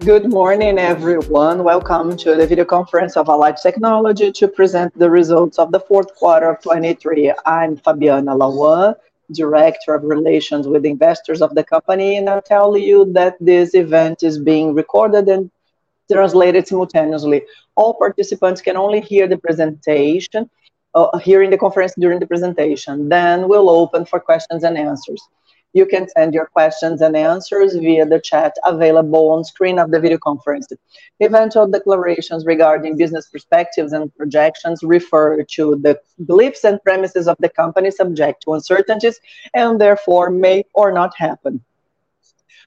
Good morning, everyone. Welcome to the video conference of Allied Tecnologia to present the results of the fourth quarter of 2023. I'm Fabiana Lawand, Director of Relations with Investors of the company, I'll tell you that this event is being recorded and translated simultaneously. All participants can only hear in the conference during the presentation. We'll open for questions and answers. You can send your questions and answers via the chat available on screen of the video conference. Eventual declarations regarding business perspectives and projections refer to the beliefs and premises of the company, subject to uncertainties, and therefore may or not happen.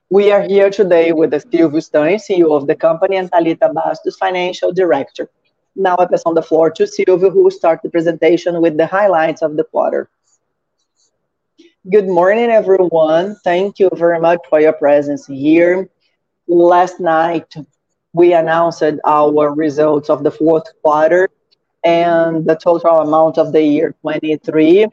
We are here today with Silvio Stagni, CEO of the company, and Thalita Basso, Financial Director. It is on the floor to Silvio, who will start the presentation with the highlights of the quarter. Good morning, everyone. Thank you very much for your presence here. Last night, we announced our results of the fourth quarter and the total amount of the year 2023. In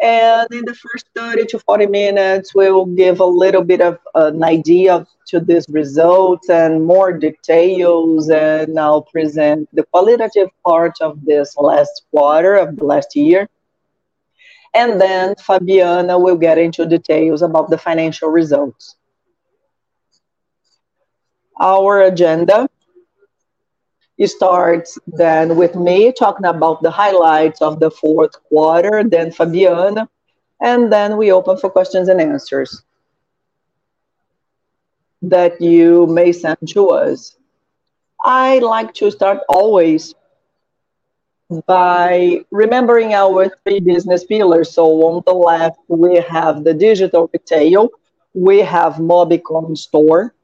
the first 30-40 minutes, we'll give a little bit of an idea to these results and more details. I'll present the qualitative part of this last quarter of last year. Fabiana will get into details about the financial results. Our agenda starts then with me talking about the highlights of the fourth quarter, then Fabiana, we open for questions and answers that you may send to us. I like to start always by remembering our 3 business pillars. On the left, we have the digital retail. We have Mobcom Store.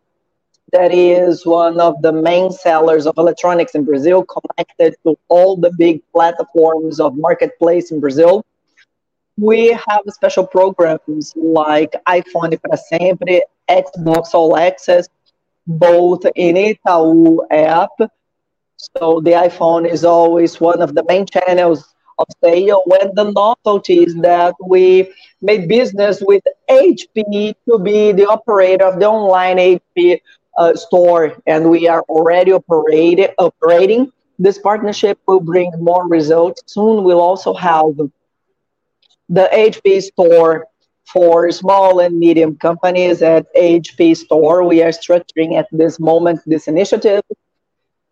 That is 1 of the main sellers of electronics in Brazil, connected to all the big platforms of marketplace in Brazil. We have special programs like iPhone Para Sempre, Xbox All Access, both in Itaú app. The iPhone is always 1 of the main channels of sale. The novelty is that we made business with HP to be the operator of the online HP Store, and we are already operating. This partnership will bring more results soon. We'll also have the HP Store for small and medium companies at HP Store. We are structuring at this moment this initiative,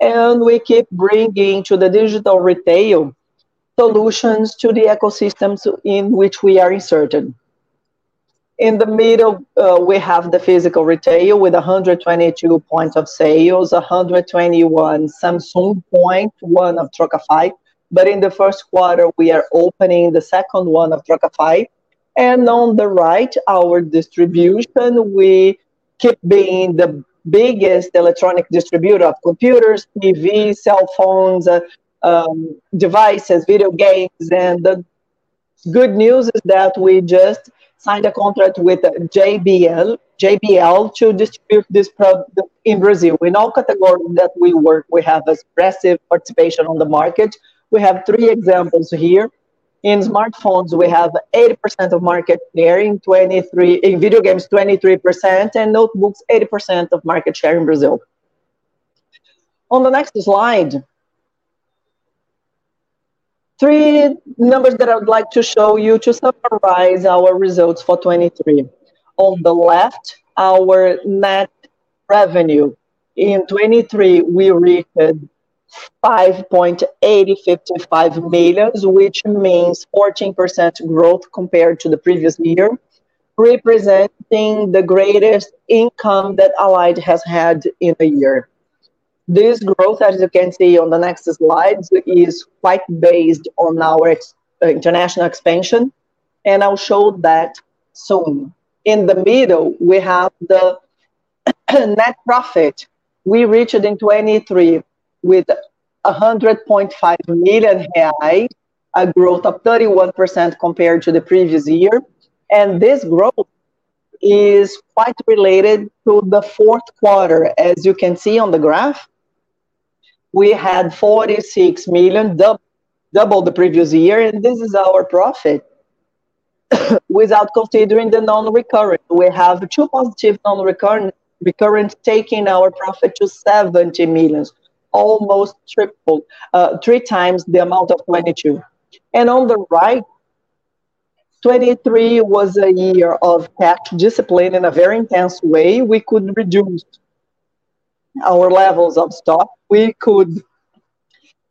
we keep bringing to the digital retail solutions to the ecosystems in which we are inserted. In the middle, we have the physical retail with 122 points of sales, 121 Samsung point, 1 of Trocafy. In the first quarter, we are opening the second 1 of Trocafy. On the right, our distribution. We keep being the biggest electronic distributor of computers, TVs, cell phones, devices, video games. The good news is that we just signed a contract with JBL to distribute this product in Brazil. In all categories that we work, we have expressive participation on the market. We have 3 examples here. In smartphones, we have 80% of market share in 2023. In video games, 23%, notebooks, 80% of market share in Brazil. On the next slide, 3 numbers that I would like to show you to summarize our results for 2023. On the left, our net revenue. In 2023, we reached 5.855 million, which means 14% growth compared to the previous year, representing the greatest income that Allied has had in a year. This growth, as you can see on the next slides, is quite based on our international expansion, I'll show that soon. In the middle, we have the net profit. We reached in 2023 with 100.5 million reais, a growth of 31% compared to the previous year. This growth is quite related to the fourth quarter. As you can see on the graph, we had 46 million, double the previous year, and this is our profit without considering the non-recurrent. We have two positive non-recurrent, taking our profit to 70 million, almost triple, three times the amount of 2022. On the right, 2023 was a year of cash discipline in a very intense way. We could reduce our levels of stock. We could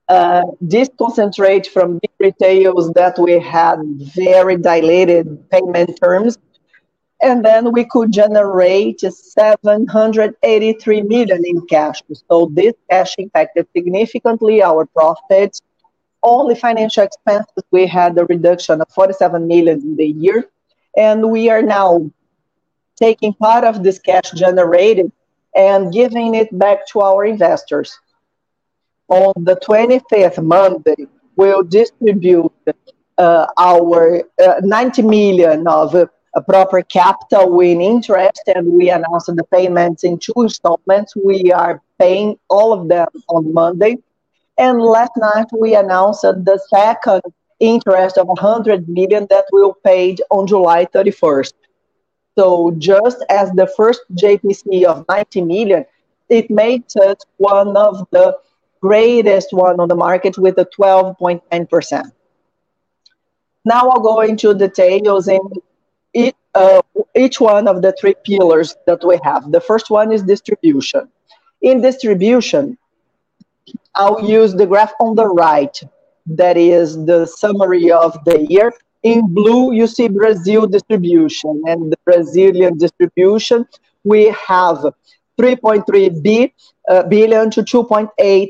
deconcentrate from big retailers that we had very dilated payment terms. Then we could generate 783 million in cash. This cash impacted significantly our profits. All the financial expenses, we had a reduction of 47 million in the year. We are now taking part of this cash generated and giving it back to our investors. On the 25th, Monday, we'll distribute 90 million of proper capital with interest, and we announced the payments in two installments. We are paying all of them on Monday. Last night we announced the second interest of 100 million that we will pay on July 31st. Just as the first JCP of 90 million, it makes us one of the greatest one on the market with a 12.10%. I'll go into details in each one of the three pillars that we have. The first one is distribution. In distribution, I'll use the graph on the right, that is the summary of the year. In blue, you see Brazilian distribution. In the Brazilian distribution, we have 3.3 billion to 2.8 billion.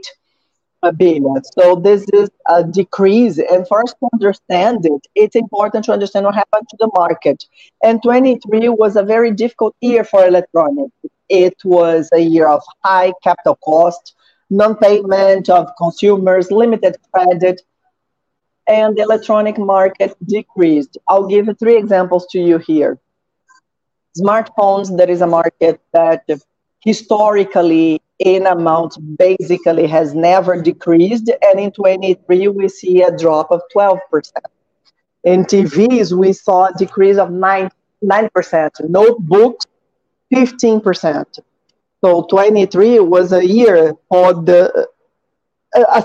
This is a decrease. First to understand it's important to understand what happened to the market. 2023 was a very difficult year for electronics. It was a year of high capital cost, non-payment of consumers, limited credit, and electronics market decreased. I'll give three examples to you here. Smartphones, that is a market that historically in amount basically has never decreased. In 2023, we see a drop of 12%. In TVs, we saw a decrease of 9%. Notebooks, 15%. 2023 was a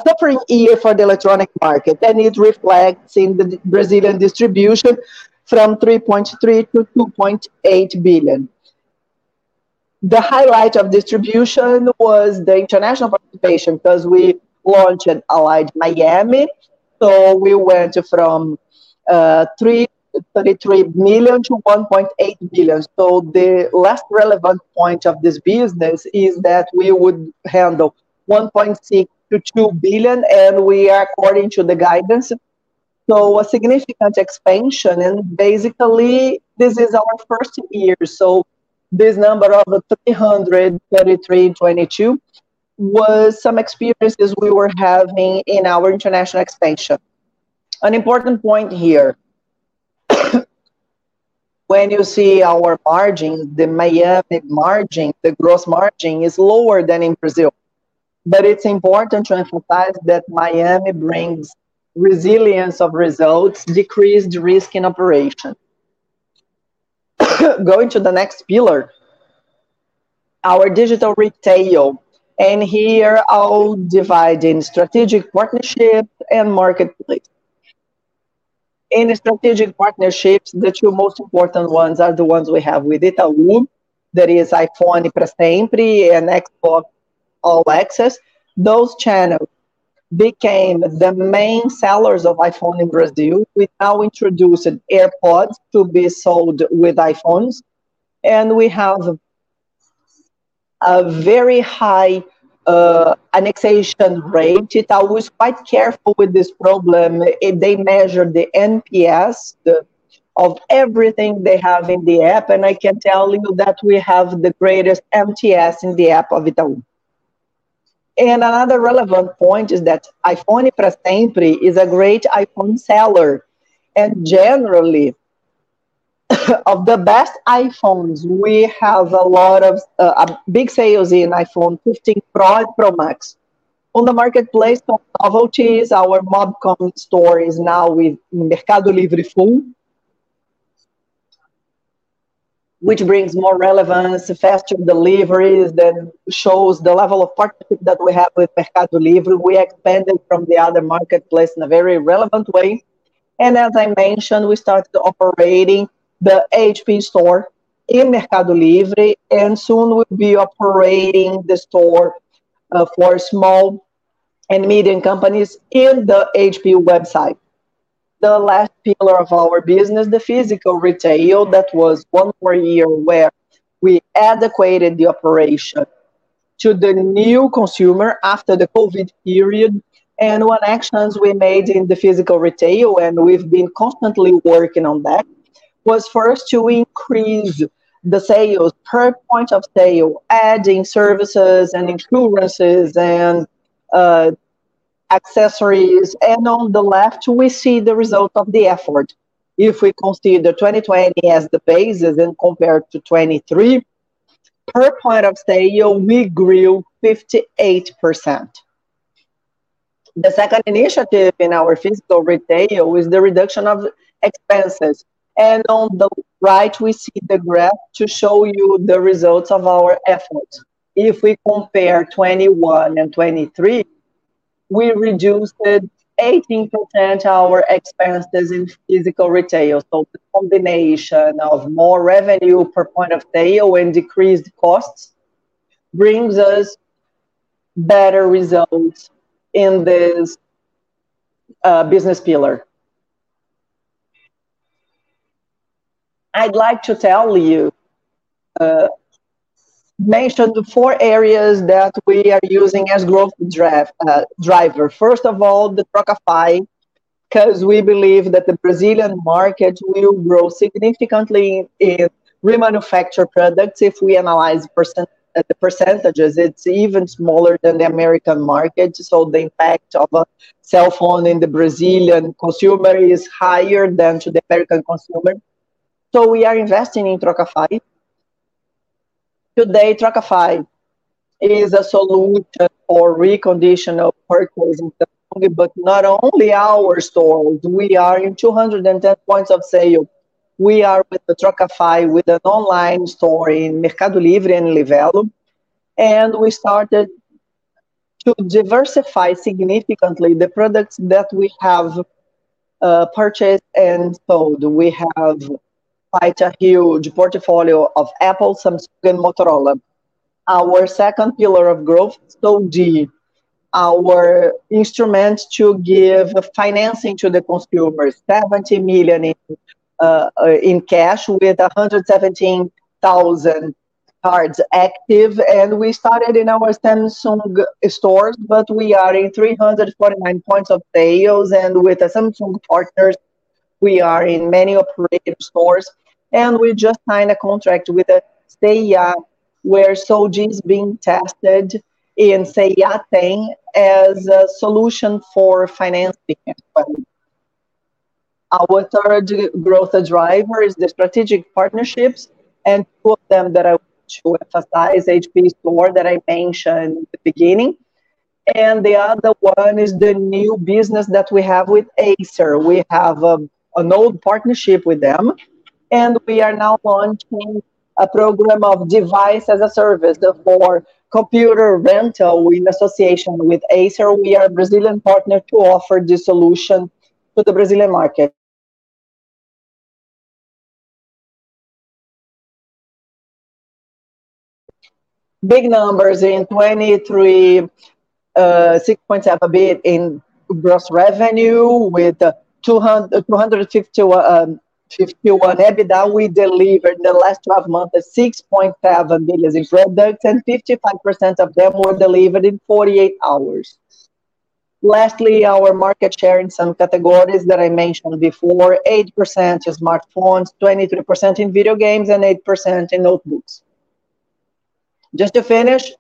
suffering year for the electronics market, and it reflects in the Brazilian distribution from 3.3 billion to 2.8 billion. The highlight of distribution was the international participation because we launched an Allied Miami. We went from 33 million to 1.8 billion. The last relevant point of this business is that we would handle 1.6 billion to 2 billion, and we are according to the guidance. A significant expansion. Important point here, when you see our margin, the Miami margin, the gross margin is lower than in Brazil. It's important to emphasize that Miami brings resilience of results, decreased risk in operation. Going to the next pillar, our digital retail, here I'll divide in strategic partnership and marketplace. In strategic partnerships, the two most important ones are the ones we have with Itaú, that is iPhone Para Sempre and Xbox All Access. Those channels became the main sellers of iPhone in Brazil. We're now introducing AirPods to be sold with iPhones. We have a very high annexation rate. Itaú is quite careful with this problem. They measure the NPS of everything they have in the app. I can tell you that we have the greatest NPS in the app of Itaú. Another relevant point is that iPhone Para Sempre is a great iPhone seller, and generally, of the best iPhones, we have a lot of big sales in iPhone 15 Pro and Pro Max. On the marketplace novelty is our Mobcom store is now with Mercado Libre Full, which brings more relevance, faster deliveries, that shows the level of partnership that we have with Mercado Libre. We expanded from the other marketplace in a very relevant way. As I mentioned, we started operating the HP Store in Mercado Libre, and soon we'll be operating the store for small and medium companies in the HP website. The last pillar of our business, the physical retail, that was one more year where we adequated the operation to the new consumer after the COVID period. What actions we made in the physical retail, and we've been constantly working on that, was first to increase the sales per point of sale, adding services and insurances and accessories. On the left, we see the result of the effort. If we consider 2020 as the basis and compare it to 2023, per point of sale, we grew 58%. The second initiative in our physical retail is the reduction of expenses. On the right, we see the graph to show you the results of our effort. If we compare 2021 and 2023, we reduced 18% our expenses in physical retail. The combination of more revenue per point of sale and decreased costs brings us better results in this business pillar. Mention the four areas that we are using as growth driver. First of all, the Trocafy, because we believe that the Brazilian market will grow significantly in remanufactured products. If we analyze the percentages, it's even smaller than the American market. The impact of a cell phone in the Brazilian consumer is higher than to the American consumer. We are investing in Trocafy. Today, Trocafy is a solution for reconditioned purchase in our stores, but not only our stores. We are in 210 points of sale. We are with the Trocafy, with an online store in Mercado Libre and Livelo, and we started to diversify significantly the products that we have purchased and sold. We have quite a huge portfolio of Apple, Samsung, and Motorola. Our second pillar of growth, Soudi, our instrument to give financing to the consumers. 70 million in cash with 117,000 cards active. We started in our Samsung stores, but we are in 349 points of sales. With Samsung partners, we are in many operator stores, and we just signed a contract with C&A, where Soudi is being tested in C&A as a solution for financing. Our third growth driver is the strategic partnerships, and two of them that I want to emphasize, HP Store that I mentioned at the beginning, and the other one is the new business that we have with Acer. We have an old partnership with them, and we are now launching a program of device as a service for computer rental in association with Acer. We are a Brazilian partner to offer this solution to the Brazilian market. Big numbers in 2023, 6.7 billion in gross revenue with 251 EBITDA. We delivered in the last 12 months 6.7 billion in products, and 55% of them were delivered in 48 hours. Lastly, our market share in some categories that I mentioned before, 8% in smartphones, 23% in video games, and 8% in notebooks. Just to finish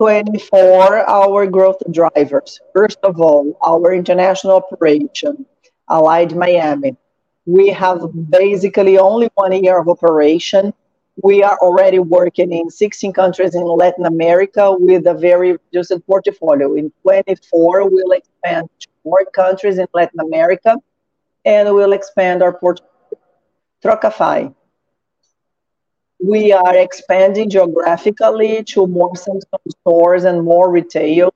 2024, our growth drivers. First of all, our international operation, Allied Miami. We have basically only one year of operation. We are already working in 16 countries in Latin America with a very decent portfolio. In 2024, we will expand to more countries in Latin America, and we will expand our portfolio. Trocafy. We are expanding geographically to more Samsung stores and more retailers.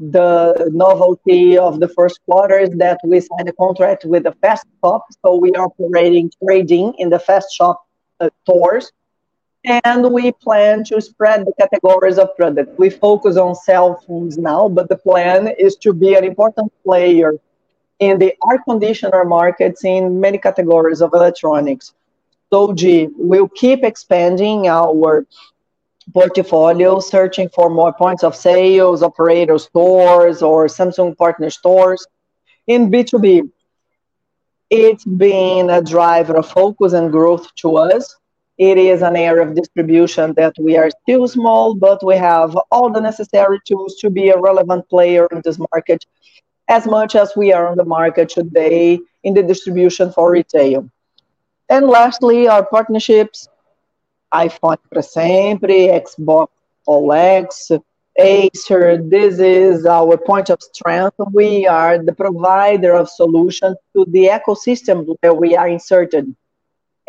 The novelty of the first quarter is that we signed a contract with Fast Shop, we are operating trading in the Fast Shop stores, and we plan to spread the categories of products. We focus on cell phones now, the plan is to be an important player in the air conditioner markets in many categories of electronics. Soudi, we will keep expanding our portfolio, searching for more PDVs, operator stores, or Samsung partner stores. In B2B, it has been a driver of focus and growth to us. It is an area of distribution that we are still small, we have all the necessary tools to be a relevant player in this market, as much as we are on the market today in the distribution for retail. Lastly, our partnerships, iPhone Para Sempre, Xbox All Access, Acer. This is our point of strength. We are the provider of solution to the ecosystem that we are inserted,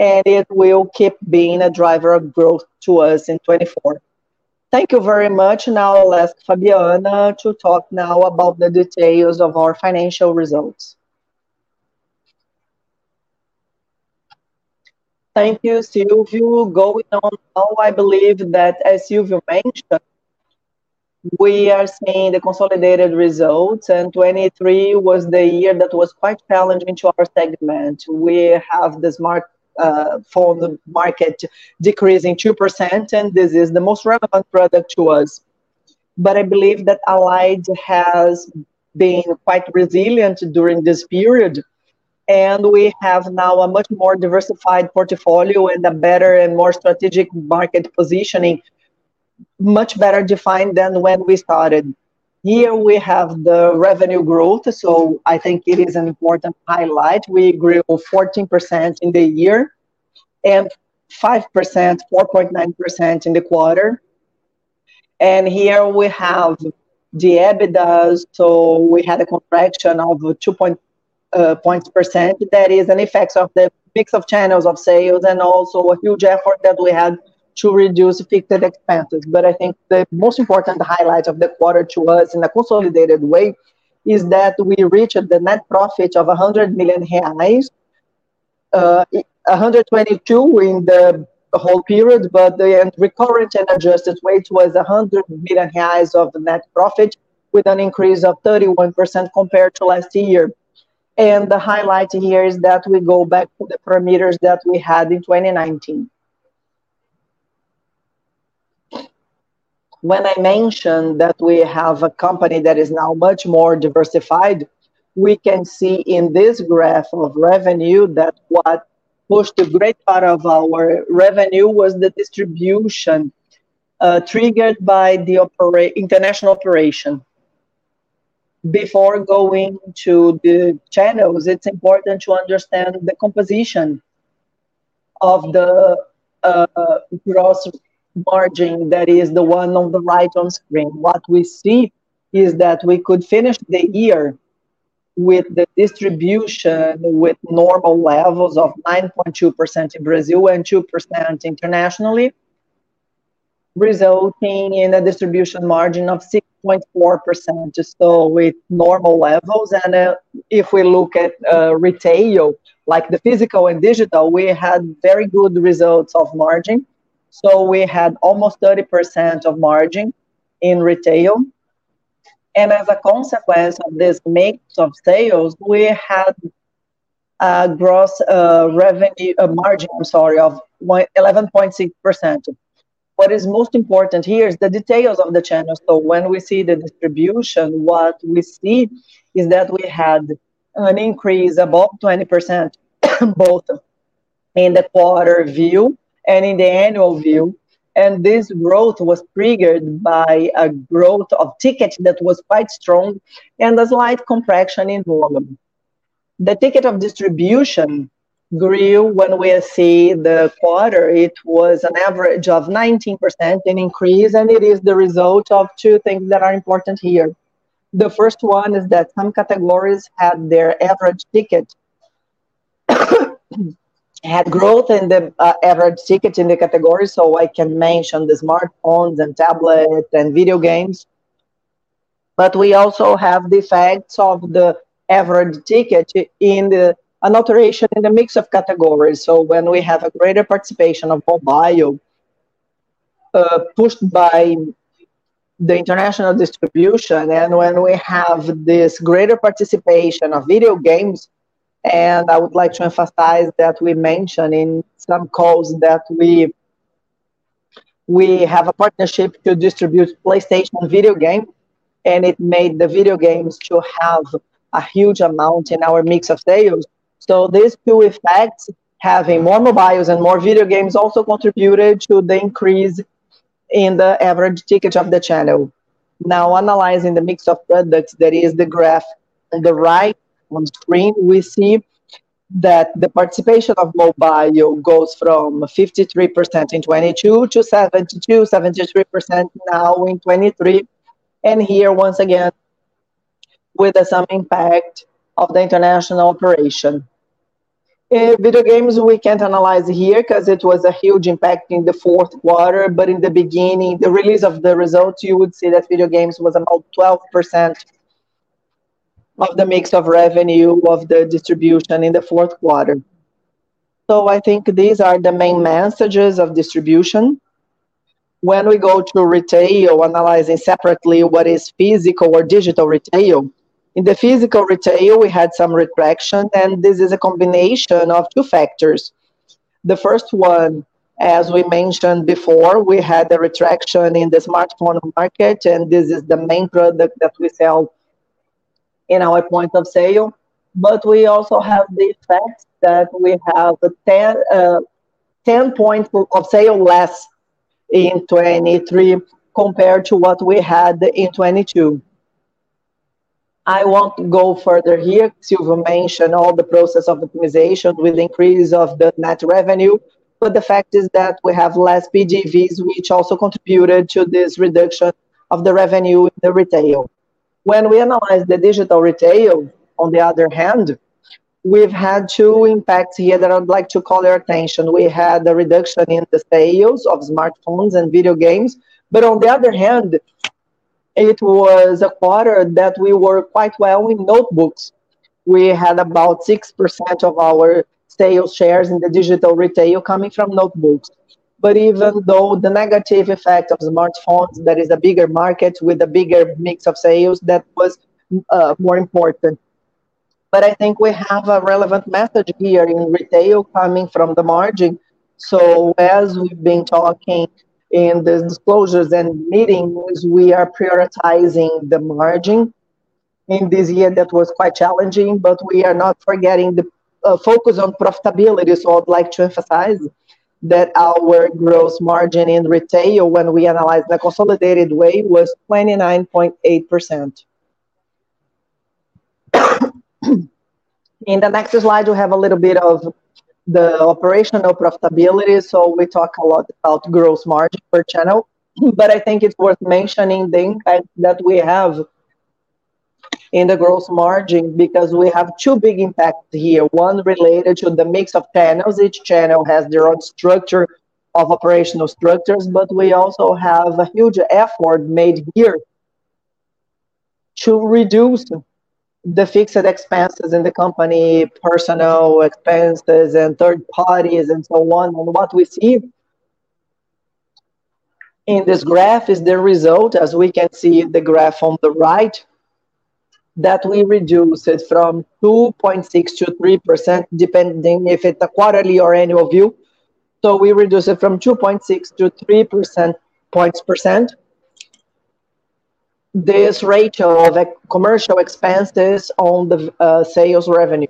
it will keep being a driver of growth to us in 2024. Thank you very much. Now I will ask Fabiana to talk now about the details of our financial results. Thank you, Silvio. Going on now, I believe that, as Silvio mentioned, we are seeing the consolidated results, 2023 was the year that was quite challenging to our segment. We have the smartphone market decrease in 2%, this is the most relevant product to us. I believe that Allied has been quite resilient during this period, we have now a much more diversified portfolio and a better and more strategic market positioning, much better defined than when we started. Here we have the revenue growth, I think it is an important highlight. We grew 14% in the year and 5%, 4.9% in the quarter. Here we have the EBITDAs, we had a contraction of 2%. That is an effect of the mix of channels of sales and also a huge effort that we had to reduce fixed expenses. I think the most important highlight of the quarter to us in a consolidated way is that we reached the net profit of 100 million reais. 122 in the whole period, the recovered and adjusted weight was 100 million reais of the net profit, with an increase of 31% compared to last year. The highlight here is that we go back to the parameters that we had in 2019. When I mentioned that we have a company that is now much more diversified, we can see in this graph of revenue that what pushed a great part of our revenue was the distribution, triggered by the international operation. Before going to the channels, it's important to understand the composition of the gross margin that is the one on the right on screen. We see that we could finish the year with the distribution with normal levels of 9.2% in Brazil and 2% internationally, resulting in a distribution margin of 6.4%, just with normal levels. If we look at retail, like the physical and digital, we had very good results of margin. We had almost 30% of margin in retail. As a consequence of this mix of sales, we had a gross margin of 11.6%. What is most important here is the details of the channels. When we see the distribution, what we see is that we had an increase above 20%, both in the quarter view and in the annual view. This growth was triggered by a growth of tickets that was quite strong and a slight compression in volume. The ticket of distribution grew when we see the quarter. It was an average of 19% in increase, and it is the result of two things that are important here. The first one is that some categories had growth in the average ticket in the category, so I can mention the smartphones and tablet and video games. We also have the effects of the average ticket in an alteration in the mix of categories. When we have a greater participation of mobile, pushed by the international distribution, when we have this greater participation of video games, I would like to emphasize that we mention in some calls that we have a partnership to distribute PlayStation video game, it made the video games to have a huge amount in our mix of sales. These two effects, having more mobiles and more video games, also contributed to the increase in the average ticket of the channel. Analyzing the mix of products, that is the graph on the right on screen, we see that the participation of mobile goes from 53% in 2022 to 72%-73% now in 2023. Here, once again, with some impact of the international operation. Video games we can't analyze here because it was a huge impact in the fourth quarter, in the beginning, the release of the results, you would see that video games was about 12% of the mix of revenue of the distribution in the fourth quarter. I think these are the main messages of distribution. When we go to retail, analyzing separately what is physical or digital retail. In the physical retail, we had some retraction, this is a combination of two factors. The first, as we mentioned before, we had a retraction in the smartphone market, this is the main product that we sell in our point of sale. We also have the fact that we have 10 points of sale less in 2023 compared to what we had in 2022. I won't go further here. Silvio mentioned all the process of optimization with increase of the net revenue. The fact is that we have less PDVs, which also contributed to this reduction of the revenue in the retail. When we analyze the digital retail, on the other hand, we've had two impacts here that I'd like to call your attention. We had a reduction in the sales of smartphones and video games, on the other hand, it was a quarter that we worked quite well with notebooks. We had about 6% of our sales shares in the digital retail coming from notebooks. Even though the negative effect of smartphones, that is a bigger market with a bigger mix of sales, that was more important. I think we have a relevant message here in retail coming from the margin. As we've been talking in the disclosures and meetings, we are prioritizing the margin. In this year, that was quite challenging, we are not forgetting the focus on profitability. I'd like to emphasize that our gross margin in retail, when we analyzed the consolidated way, was 29.8%. In the next slide, we'll have a little bit of the operational profitability. We talk a lot about gross margin per channel, I think it's worth mentioning the impact that we have in the gross margin because we have two big impacts here. One related to the mix of channels. Each channel has their own structure of operational structures, we also have a huge effort made here to reduce the fixed expenses in the company, personnel expenses, and third parties, and so on. What we see in this graph is the result, as we can see the graph on the right, that we reduce it from 2.6% to 3%, depending if it's a quarterly or annual view. We reduce it from 2.6% to 3% points. This ratio of commercial expenses on the sales revenue.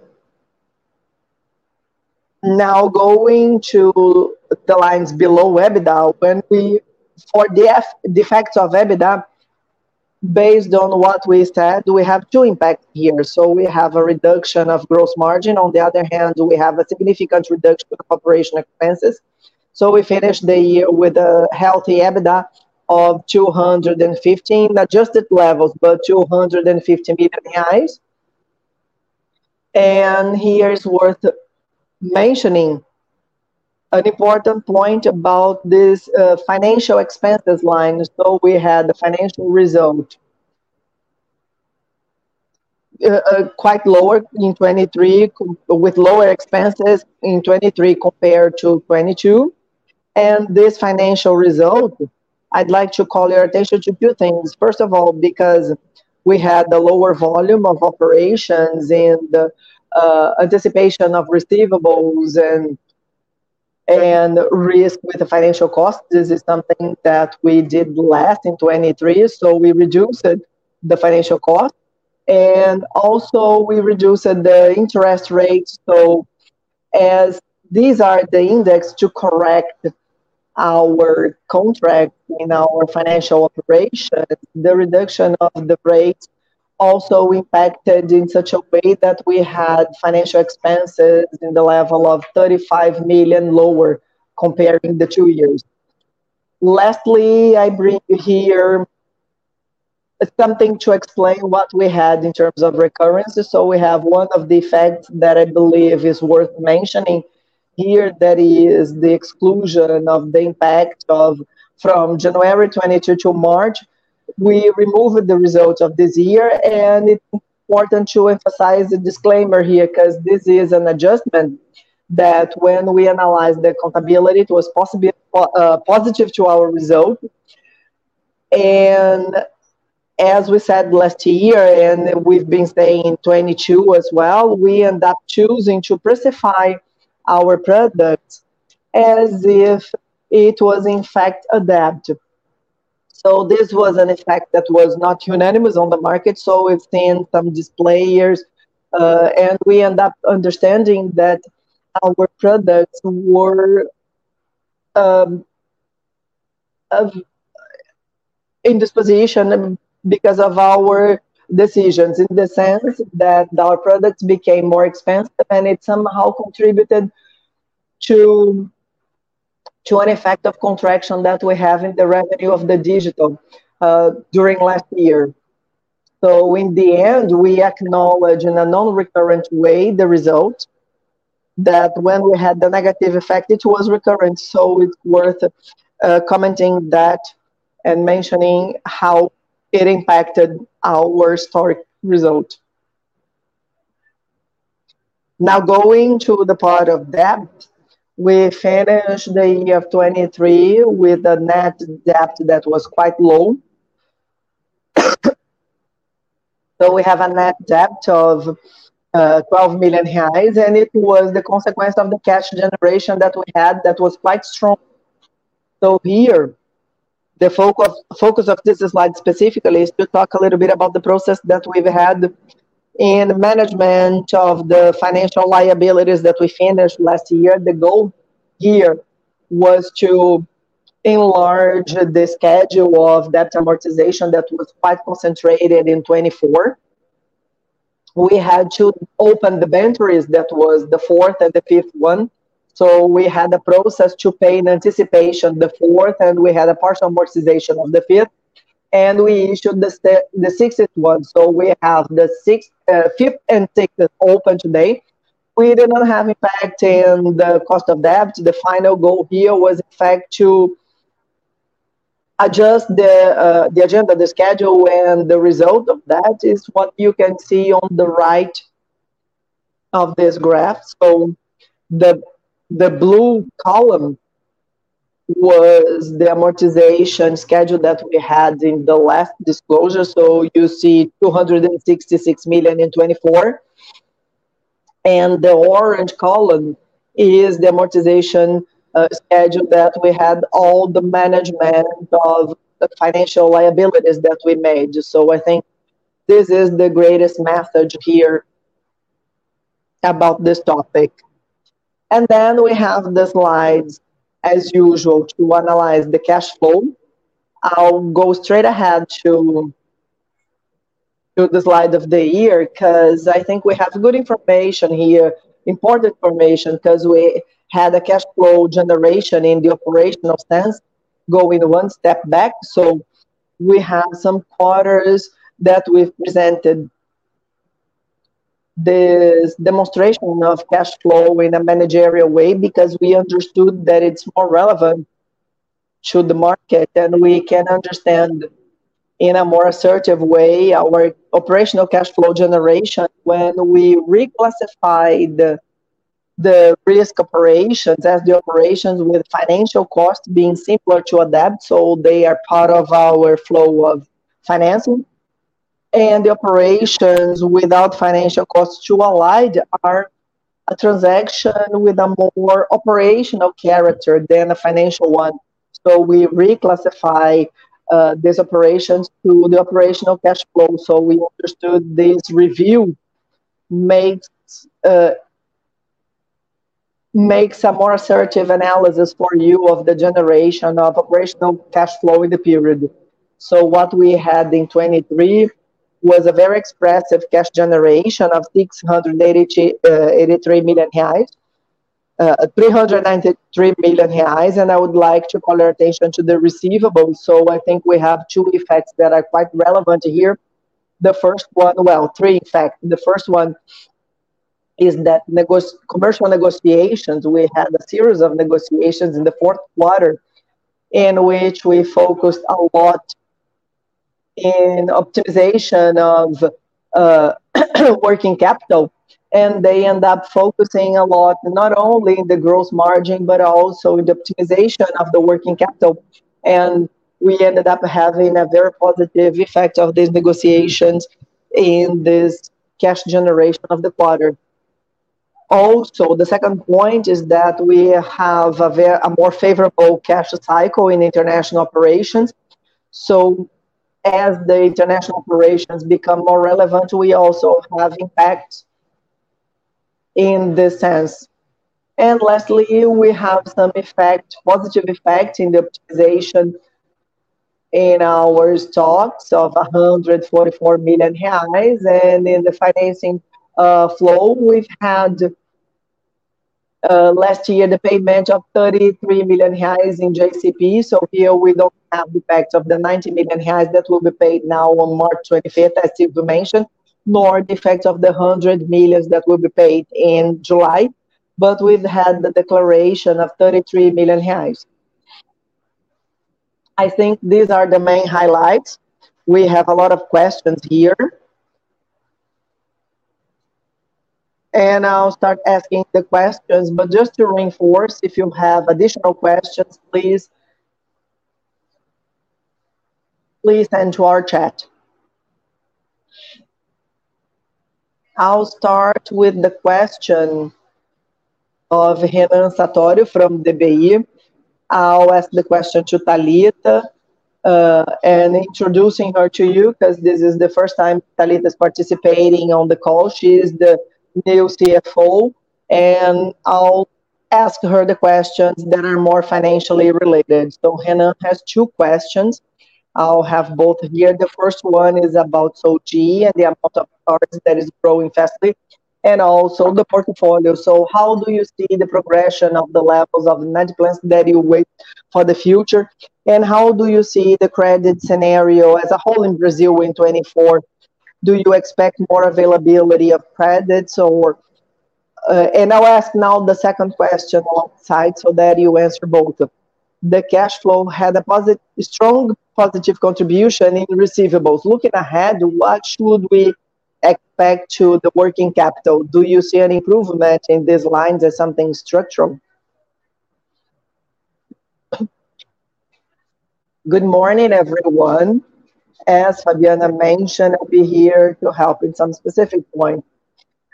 Now going to the lines below EBITDA. For the effects of EBITDA, based on what we said, we have two impacts here. We have a reduction of gross margin. On the other hand, we have a significant reduction of operational expenses. We finished the year with a healthy EBITDA of 215, not just at levels, but 215 million reais. Here it's worth mentioning an important point about this financial expenses line. We had the financial result quite lower in 2023, with lower expenses in 2023 compared to 2022. This financial result, I'd like to call your attention to two things. First of all, because we had the lower volume of operations in the anticipation of receivables and risk with the financial cost. This is something that we did last in 2023. We reduced the financial cost, also we reduced the interest rates. As these are the index to correct our contract in our financial operations, the reduction of the rates also impacted in such a way that we had financial expenses in the level of 35 million BRL lower comparing the two years. Lastly, I bring here something to explain what we had in terms of recurrences. We have one of the effects that I believe is worth mentioning here, that is the exclusion of the impact from January 2022 to March. We removed the results of this year. It's important to emphasize the disclaimer here because this is an adjustment that when we analyzed the accountability, it was positive to our result. As we said last year, and we've been saying in 2022 as well, we end up choosing to price our products as if it was in fact adaptive. This was an effect that was not unanimous on the market. We've seen some display errors, and we end up understanding that our products were in this position because of our decisions, in the sense that our products became more expensive, and it somehow contributed to an effect of contraction that we have in the revenue of the digital during last year. In the end, we acknowledge in a non-recurrent way the result that when we had the negative effect, it was recurrent. It's worth commenting that and mentioning how it impacted our historic result. Now, going to the part of debt. We finished the year of 2023 with a net debt that was quite low. We have a net debt of 12 million reais, and it was the consequence of the cash generation that we had that was quite strong. Here, the focus of this slide specifically is to talk a little bit about the process that we've had in management of the financial liabilities that we finished last year. The goal here was to enlarge the schedule of debt amortization that was quite concentrated in 2024. We had to open the boundaries. That was the fourth and the fifth one. We had a process to pay in anticipation the fourth, and we had a partial amortization on the fifth, and we issued the sixth one. We have the fifth and sixth open today. We did not have impact in the cost of debt. The final goal here was in fact to adjust the agenda, the schedule, and the result of that is what you can see on the right of this graph. The blue column was the amortization schedule that we had in the last disclosure. You see 266 million in 2024. The orange column is the amortization schedule that we had all the management of the financial liabilities that we made. I think this is the greatest message here about this topic. Then we have the slides as usual to analyze the cash flow. I'll go straight ahead to the slide of the year because I think we have good information here, important information, because we had a cash flow generation in the operational sense. Going one step back, we have some quarters that we've presented this demonstration of cash flow in a managerial way because we understood that it's more relevant to the market. We can understand in a more assertive way our operational cash flow generation when we reclassify the risk operations as the operations with financial costs being similar to a debt. They are part of our flow of financing. The operations without financial costs to Allied are a transaction with a more operational character than a financial one. We reclassify these operations to the operational cash flow. We understood this review makes a more assertive analysis for you of the generation of operational cash flow in the period. What we had in 2023 was a very expressive cash generation of 683 million reais, 393 million reais, and I would like to call your attention to the receivables. I think we have two effects that are quite relevant here. The first one. Well, three, in fact. The first one is that commercial negotiations, we had a series of negotiations in the fourth quarter in which we focused a lot on optimization of working capital, and they end up focusing a lot, not only on the gross margin, but also on the optimization of the working capital. We ended up having a very positive effect of these negotiations in this cash generation of the quarter. The second point is that we have a more favorable cash cycle in international operations. As the international operations become more relevant, we also have impact in this sense. Lastly, we have some positive effect in the optimization in our stocks of 144 million reais, and in the financing flow, we've had last year the payment of 33 million reais in JCP. Here we don't have the effect of the 90 million reais that will be paid now on March 25th, as Silvio mentioned, nor the effect of the 100 million that will be paid in July. We've had the declaration of 33 million reais. I think these are the main highlights. We have a lot of questions here. I'll start asking the questions, but just to reinforce, if you have additional questions, please send to our chat. I'll start with the question of Hannah Satoro from DBI. I'll ask the question to Thalita, and introducing her to you because this is the first time Thalita is participating on the call. She is the new CFO, I'll ask her the questions that are more financially related. Hannah has two questions. I'll have both here. The first one is about SOG and the amount of products that is growing faster and also the portfolio. How do you see the progression of the levels of 90 plans that you wait for the future? How do you see the credit scenario as a whole in Brazil in 2024? Do you expect more availability of credits? I'll ask now the second question alongside so that you answer both. The cash flow had a strong positive contribution in receivables. Looking ahead, what should we expect to the working capital? Do you see an improvement in these lines as something structural? Good morning, everyone. As Fabiana mentioned, I'll be here to help in some specific point.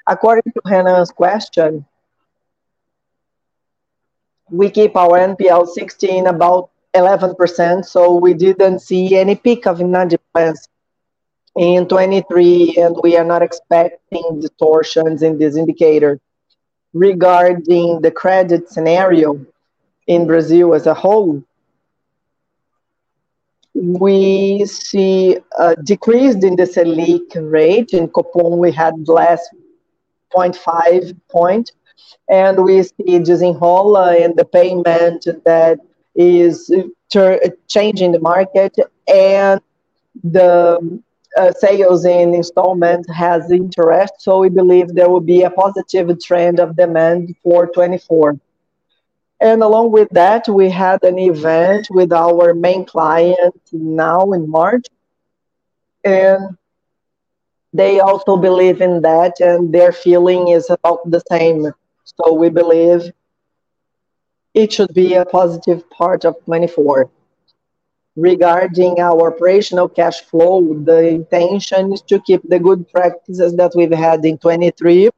According to Hannah's question, we keep our NPL 16, about 11%. We didn't see any peak of 90 plans in 2023, and we are not expecting distortions in this indicator. Regarding the credit scenario in Brazil as a whole, we see a decrease in the Selic rate. In Copom, we had the last 0.5 point, and we see Desenrola and the payment that is changing the market, and the sales in installment has interest. We believe there will be a positive trend of demand for 2024. Along with that, we had an event with our main client now in March, and they also believe in that, and their feeling is about the same. We believe it should be a positive part of 2024. Regarding our operational cash flow, the intention is to keep the good practices that we've had in 2023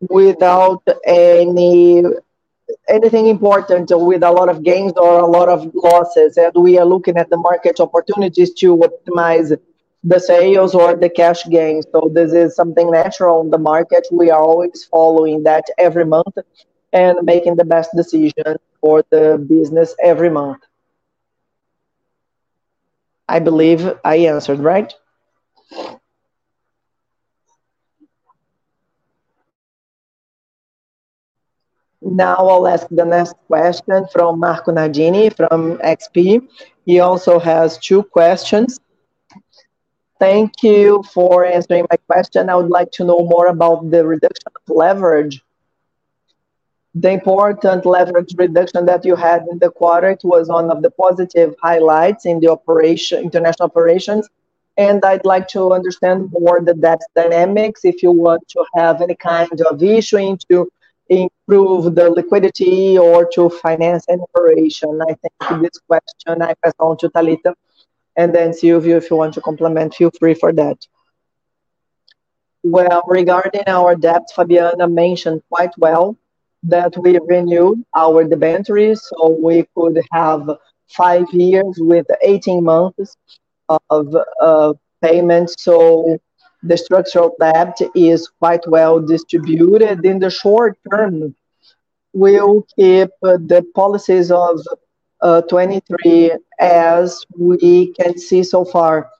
without anything important with a lot of gains or a lot of losses. We are looking at the market opportunities to optimize the sales or the cash gains. This is something natural in the market. We are always following that every month and making the best decision for the business every month. I believe I answered right. Now I'll ask the next question from Marco Nardini from XP. He also has two questions. Thank you for answering my question. I would like to know more about the reduction of leverage. The important leverage reduction that you had in the quarter, it was one of the positive highlights in the international operations, and I'd like to understand more that that's dynamics. If you want to have any kind of issuing to improve the liquidity or to finance any operation. I think this question I pass on to Talita. Then Silvio, if you want to complement, feel free for that. Well, regarding our debt, Fabiana mentioned quite well that we renewed our debentures, so we could have five years with 18 months of payments. The structural debt is quite well distributed. In the short term, we'll keep the policies of 2023 as we can see so far.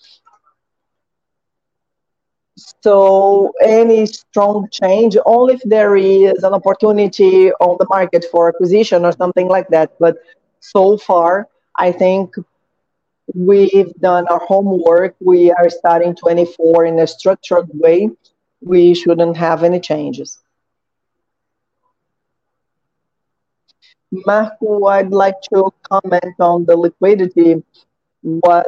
Any strong change, only if there is an opportunity on the market for acquisition or something like that. So far, I think we've done our homework. We are starting 2024 in a structured way. We shouldn't have any changes. Marco, I'd like to comment on the liquidity. What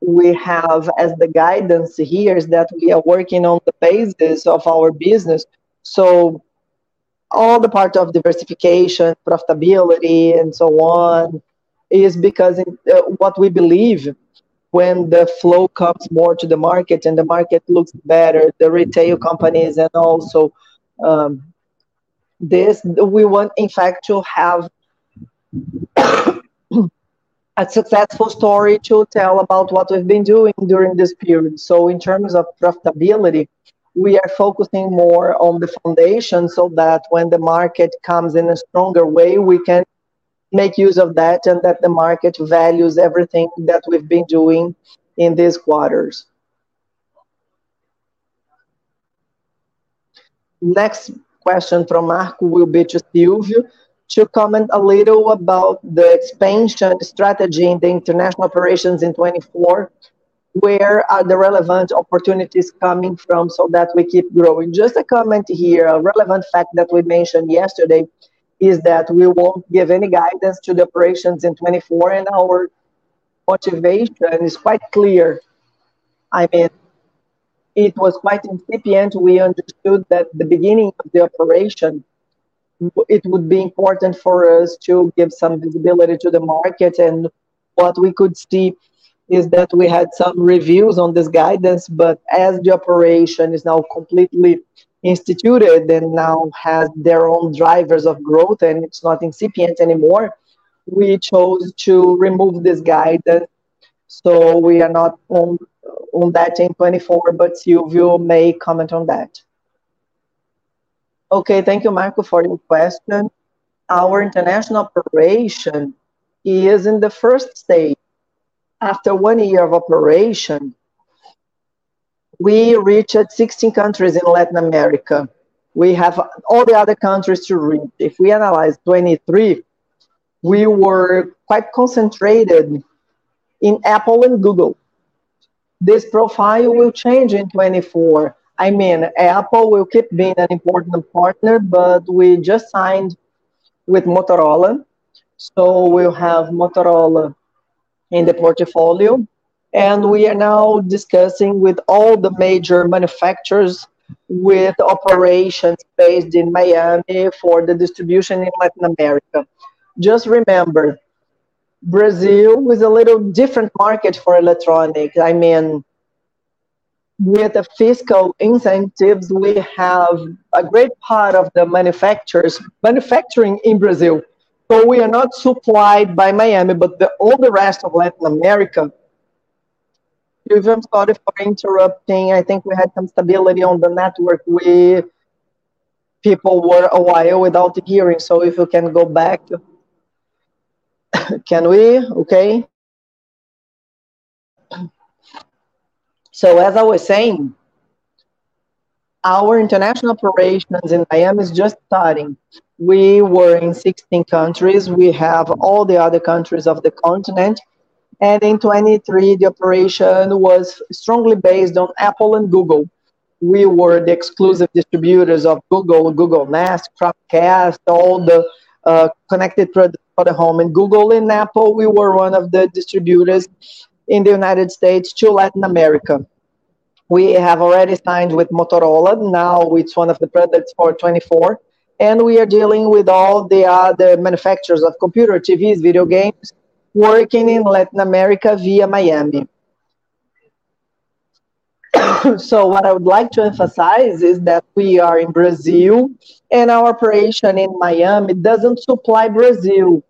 we have as the guidance here is that we are working on the basis of our business. All the part of diversification, profitability, and so on is because what we believe when the flow comes more to the market and the market looks better, the retail companies. Also, this, we want in fact to have a successful story to tell about what we've been doing during this period. In terms of profitability, we are focusing more on the foundation, so that when the market comes in a stronger way, we can make use of that, and that the market values everything that we've been doing in these quarters. Next question from Marco will be to Silvio to comment a little about the expansion strategy and the international operations in 2024. Where are the relevant opportunities coming from so that we keep growing? Just a comment here, a relevant fact that we mentioned yesterday is that we won't give any guidance to the operations in 2024, and our motivation is quite clear. It was quite incipient. We understood that the beginning of the operation, it would be important for us to give some visibility to the market. What we could see is that we had some reviews on this guidance. As the operation is now completely instituted and now has their own drivers of growth and it's not incipient anymore, we chose to remove this guidance. We are not on that in 2024, but Silvio may comment on that. Okay. Thank you, Marco, for your question. Our international operation is in the first stage. After one year of operation, we reached 16 countries in Latin America. We have all the other countries to reach. If we analyze 2023, we were quite concentrated in Apple and Google. This profile will change in 2024. Apple will keep being an important partner, but we just signed with Motorola, so we will have Motorola in the portfolio, and we are now discussing with all the major manufacturers with operations based in Miami for the distribution in Latin America. Just remember, Brazil was a little different market for electronics. With the fiscal incentives, we have a great part of the manufacturers manufacturing in Brazil. We are not supplied by Miami, but all the rest of Latin America. Silvio, sorry for interrupting. I think we had some instability on the network. People were a while without hearing, so if you can go back. Can we? Okay. As I was saying, our international operations in Miami is just starting. We were in 16 countries. We have all the other countries of the continent. In 2023, the operation was strongly based on Apple and Google. We were the exclusive distributors of Google Nest, Chromecast, all the connected products for the home. Google and Apple, we were one of the distributors in the United States to Latin America. We have already signed with Motorola. Now it's one of the products for 2024, and we are dealing with all the other manufacturers of computer TVs, video games, working in Latin America via Miami. What I would like to emphasize is that we are in Brazil, and our operation in Miami doesn't supply Brazil.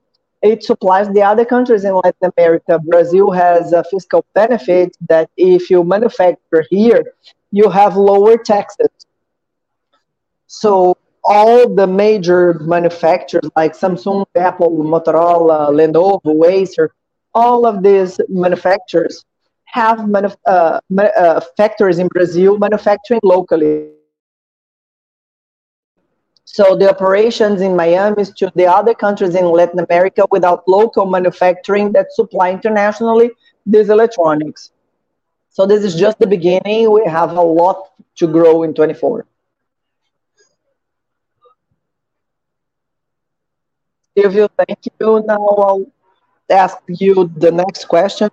It supplies the other countries in Latin America. Brazil has a fiscal benefit that if you manufacture here, you have lower taxes. All the major manufacturers like Samsung, Apple, Motorola, Lenovo, Acer, all of these manufacturers have factories in Brazil manufacturing locally. The operations in Miami is to the other countries in Latin America without local manufacturing that supply internationally these electronics. This is just the beginning. We have a lot to grow in 2024. Silvio, thank you. Now I will ask you the next question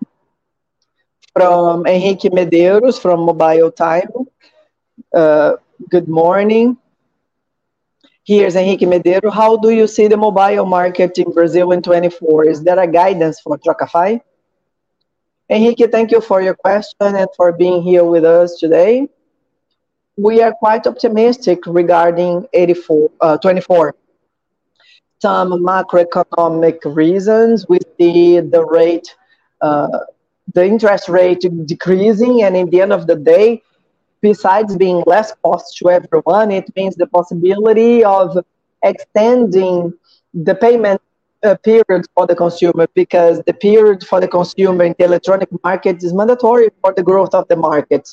from Henrique Medeiros from Mobile Time. Good morning. Here's Henrique Medeiros: "How do you see the mobile market in Brazil in 2024? Is there a guidance for Trocafy?" Henrique, thank you for your question and for being here with us today. We are quite optimistic regarding 2024. Some macroeconomic reasons, we see the interest rate decreasing. At the end of the day, besides being less cost to everyone, it means the possibility of extending the payment period for the consumer, because the period for the consumer in the electronic market is mandatory for the growth of the market.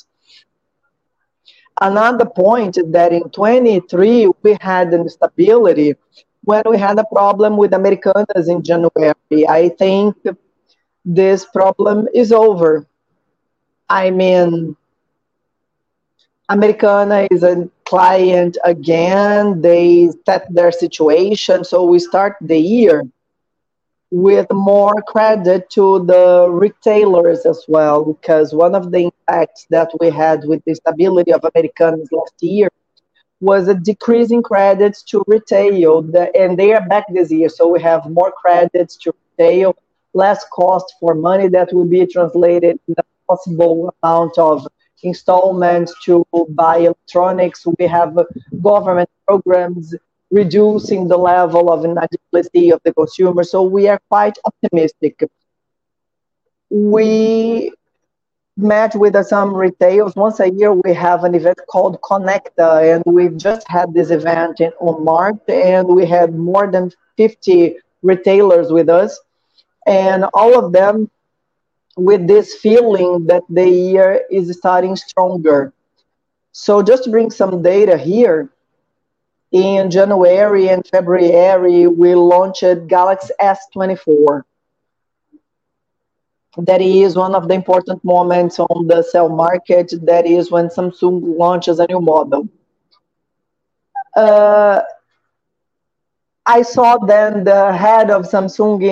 Another point that in 2023 we had instability was when we had a problem with Americanas in January. I think this problem is over. I mean, Americanas is a client again. They set their situation. We start the year with more credit to the retailers as well, because one of the impacts that we had with the instability of Americanas last year was a decrease in credits to retail, and they are back this year. We have more credits to retail, less cost for money that will be translated in the possible amount of installments to buy electronics. We have government programs reducing the level of indigency of the consumer, we are quite optimistic. We met with some retailers. Once a year, we have an event called Allied Conecta, and we've just had this event in March, and we had more than 50 retailers with us, and all of them with this feeling that the year is starting stronger. Just to bring some data here, in January and February, we launched Galaxy S24. That is one of the important moments on the cell market, that is when Samsung launches a new model. I saw then the head of Samsung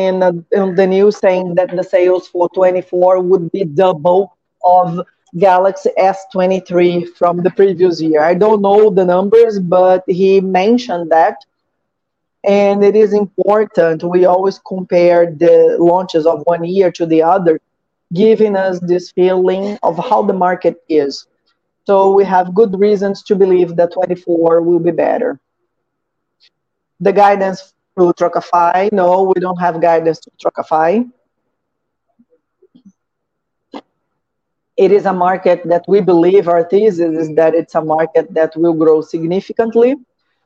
in the news saying that the sales for 2024 would be double of Galaxy S23 from the previous year. I don't know the numbers, he mentioned that, and it is important. We always compare the launches of one year to the other, giving us this feeling of how the market is. We have good reasons to believe that 2024 will be better. The guidance for Trocafy, no, we don't have guidance for Trocafy. It is a market that we believe, our thesis is that it's a market that will grow significantly.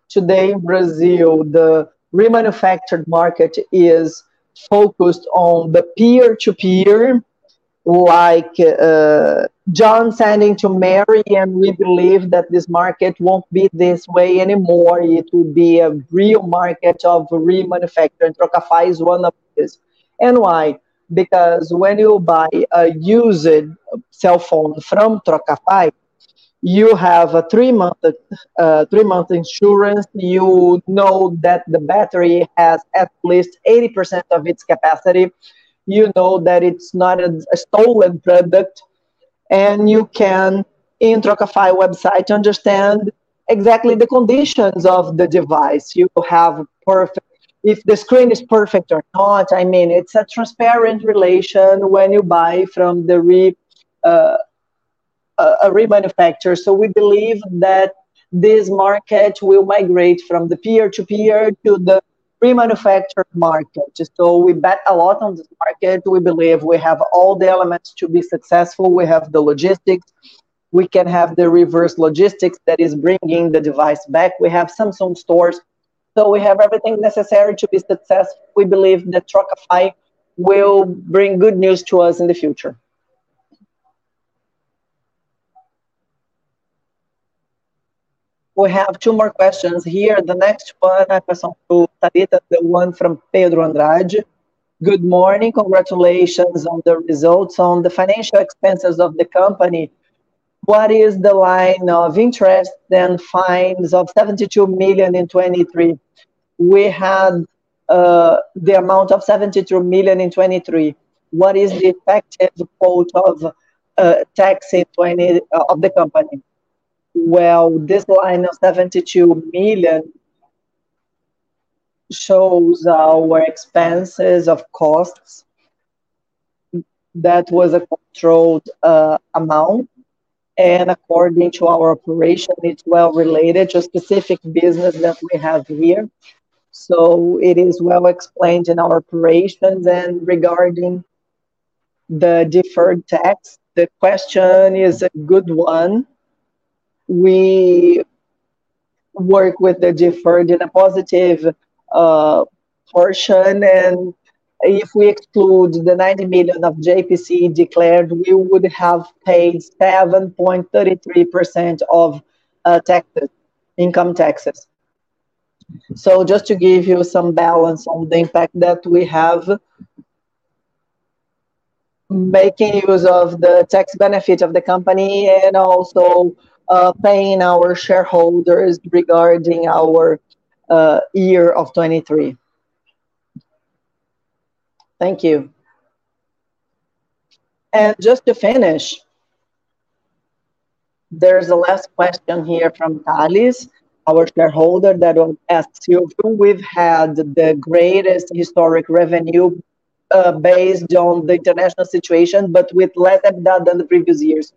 Today, in Brazil, the remanufactured market is focused on the peer-to-peer, like John sending to Mary, and we believe that this market won't be this way anymore. It will be a real market of remanufacturing. Trocafy is one of these. Why? Because when you buy a used cell phone from Trocafy, you have a three-month insurance. You know that the battery has at least 80% of its capacity. You know that it's not a stolen product, and you can, in Trocafy website, understand exactly the conditions of the device. If the screen is perfect or not. I mean, it's a transparent relation when you buy from a remanufacturer. We believe that this market will migrate from the peer-to-peer to the remanufacturer market. We bet a lot on this market. We believe we have all the elements to be successful. We have the logistics. We can have the reverse logistics that is bringing the device back. We have Samsung stores. We have everything necessary to be successful. We believe that Trocafy will bring good news to us in the future. We have two more questions here. The next one, a question to Thalita, the one from Pedro Andrade. "Good morning. Congratulations on the results. On the financial expenses of the company, what is the line of interest and fines of 72 million in 2023? We had the amount of 72 million in 2023. What is the effective rate of tax of the company?" Well, this line of 72 million shows our expenses of costs. That was a controlled amount, and according to our operation, it's well related to a specific business that we have here. It is well explained in our operations. Regarding the deferred tax, the question is a good one. We work with the deferred in a positive portion, and if we exclude the 90 million of JCP declared, we would have paid 7.33% of income taxes. Just to give you some balance on the impact that we have making use of the tax benefit of the company and also paying our shareholders regarding our year of 2023. Thank you. Just to finish, there's a last question here from Thales, our shareholder, that asks you: "We've had the greatest historic revenue based on the international situation, but with less than that in the previous years.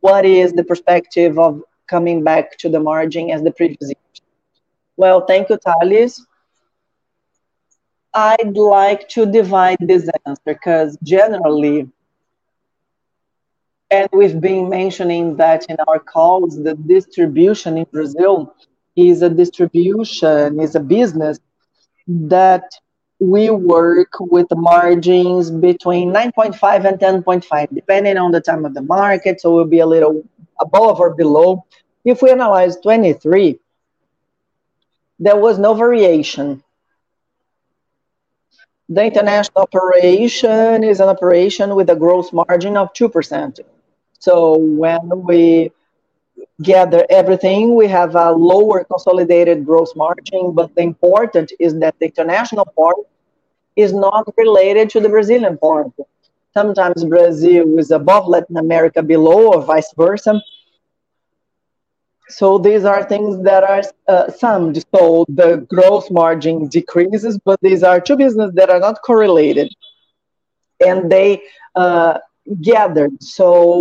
What is the perspective of coming back to the margin as the previous years?" Well, thank you, Thales. I'd like to divide this answer because generally, we've been mentioning that in our calls, the distribution in Brazil is a business that we work with margins between 9.5% and 10.5%, depending on the time of the market, so it will be a little above or below. If we analyze 2023, there was no variation. The international operation is an operation with a gross margin of 2%. When we gather everything, we have a lower consolidated gross margin. The important is that the international part is not related to the Brazilian part. Sometimes Brazil is above Latin America, below, or vice versa. These are things that are summed. The gross margin decreases, but these are two businesses that are not correlated, and they gathered.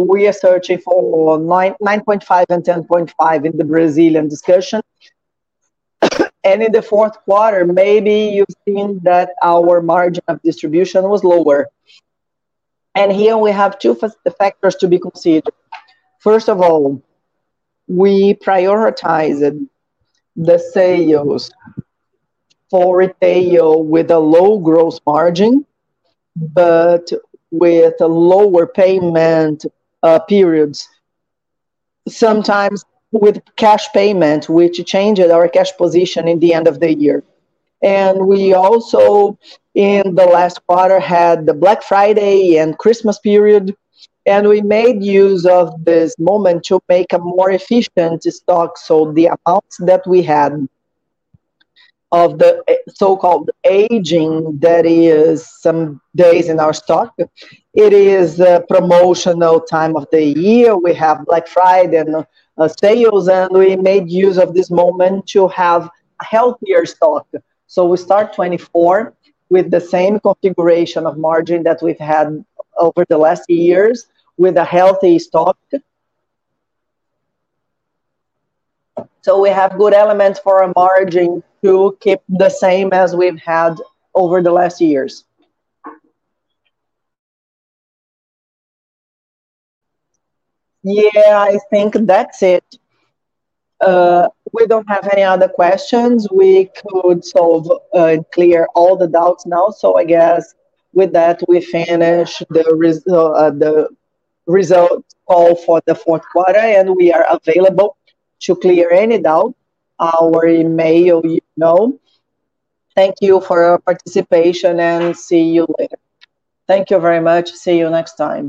We are searching for 9.5% and 10.5% in the Brazilian discussion. In the fourth quarter, maybe you've seen that our margin of distribution was lower. Here we have two factors to be considered. First of all, we prioritized the sales for retail with a low gross margin, but with lower payment periods, sometimes with cash payment, which changes our cash position in the end of the year. We also, in the last quarter, had the Black Friday and Christmas period, and we made use of this moment to make a more efficient stock. The amounts that we had of the so-called aging, that is some days in our stock, it is a promotional time of the year. We have Black Friday and sales, and we made use of this moment to have healthier stock. We start 2024 with the same configuration of margin that we've had over the last years with a healthy stock. We have good elements for our margin to keep the same as we've had over the last years. Yeah, I think that's it. We don't have any other questions. We could clear all the doubts now. I guess with that, we finish the results call for the fourth quarter, and we are available to clear any doubt. Our email you know. Thank you for your participation, and see you later. Thank you very much. See you next time.